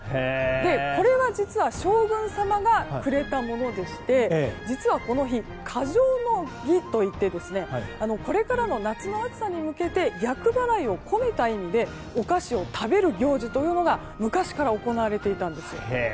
これは実は将軍様がくれたものでして実はこの日、嘉祥の儀といってこれからの夏の暑さに向けて厄払いを込めた意味でお菓子を食べる行事が昔から行われていたんです。